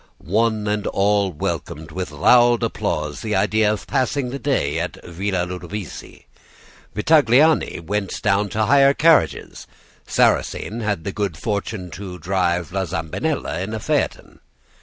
One and all welcomed with loud applause the idea of passing the day at Villa Ludovisi. Vitagliani went down to hire carriages. Sarrasine had the good fortune to drive La Zambinella in a phaeton.